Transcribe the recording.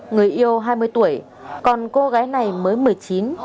người yêu hai mươi tuổi còn cô gái này mới một mươi chín